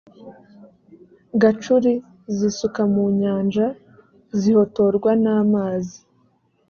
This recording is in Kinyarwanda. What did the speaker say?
gacuri zisuka mu nyanja zihotorwa n amazi